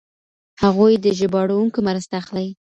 هغوی د ژباړونکو مرسته اخلي.